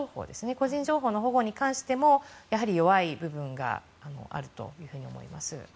個人情報の保護に関してもやはり弱い部分があると思います。